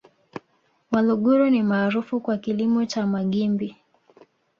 Waluguru ni maarufu kwa kilimo cha magimbi